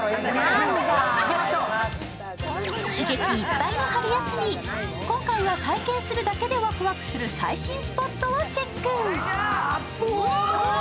刺激いっぱいの春休み、今回は体験するだけでわくわくする最新スポットをチェック。